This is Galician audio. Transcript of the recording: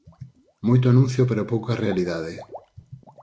Moito anuncio pero pouca realidade.